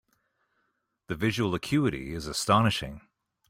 The visual acuity is astonishing.